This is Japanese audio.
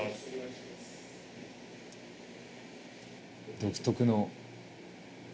独特の。